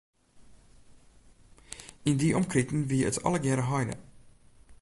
Yn dy omkriten wie it allegear heide.